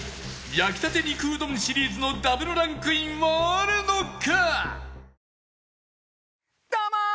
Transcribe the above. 焼きたて肉うどんシリーズの Ｗ ランクインはあるのか？